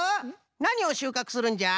なにをしゅうかくするんじゃ？